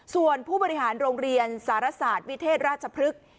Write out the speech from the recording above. ส่วนผู้บริหารโรงเรียนสารศาสตร์วิเทศราชพฤกษ์